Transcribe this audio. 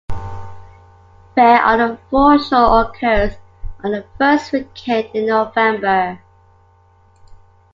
Fair on the Foreshore occurs on the first weekend in November.